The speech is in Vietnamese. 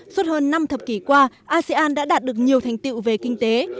suốt hơn năm thập kỷ qua asean đã đạt được nhiều thành tiệu về kinh tế